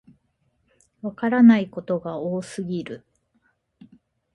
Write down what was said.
わからないことが多すぎる